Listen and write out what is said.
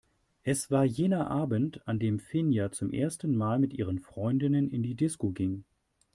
Es war jener Abend, an dem Finja zum ersten Mal mit ihren Freundinnen in die Disco ging.